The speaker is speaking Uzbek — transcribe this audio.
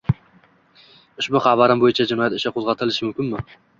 ushbu xabarim bo‘yicha jinoyat ishi qo‘zg‘atilishi mumkinmi?